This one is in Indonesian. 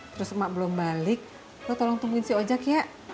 terus emak belum balik lo tolong tungguin si ojek ya